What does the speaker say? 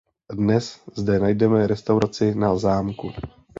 Dnes zde najdeme Restauraci Na zámku.